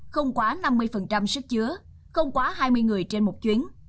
không quá năm mươi sức chứa không quá hai mươi người trên một chuyến